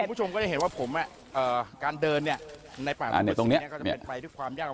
คุณผู้ชมก็จะเห็นว่าผมการเดินในป่าเนี่ยตรงนี้ก็จะเป็นไปด้วยความยาก